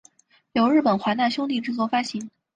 由日本华纳兄弟制作发行。